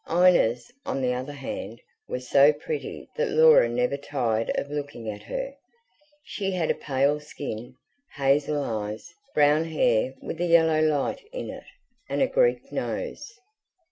Inez, on the other hand, was so pretty that Laura never tired of looking at her: she had a pale skin, hazel eyes, brown hair with a yellow light in it, and a Greek nose.